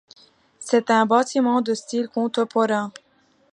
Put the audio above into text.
C'est un bâtiment de style contemporain.